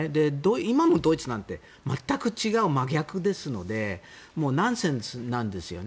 今のドイツなんて全く違う、真逆ですのでナンセンスなんですよね。